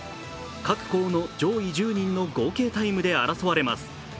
各校の上位１０人の合計タイムで争われます。